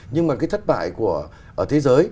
nhưng mà cái thất bại của thế giới